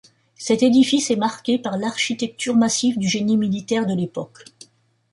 Cet édifice est marqué par l'architecture massive du génie militaire de l'époque.